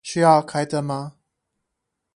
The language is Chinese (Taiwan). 需要開燈嗎